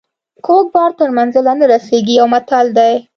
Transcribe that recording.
کوږ بار تر منزله نه رسیږي یو متل دی.